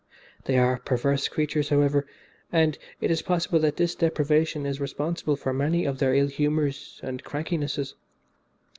They are perverse creatures, however, and it is possible that this deprivation is responsible for many of their ill humours and crankinesses.